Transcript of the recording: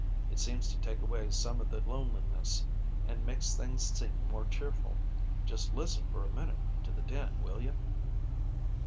"It seems to take away some of the loneliness, and makes things seem more cheerful. Just listen for a minute to the din, will you?"